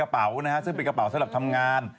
ซึ่งเป็นกระเป๋านะฮะซึ่งเป็นกระเป๋าสำหรับทำงาน